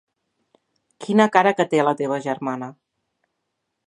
Quina cara que té la teva germana.